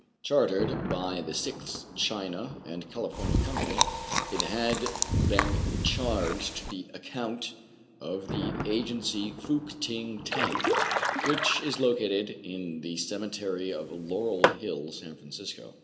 Chartered by the Sixth China and California Company, it had been charged to the account of the agency Fouk Ting Tong, which is located in the Cemetery of Laurel Hill, San Francisco.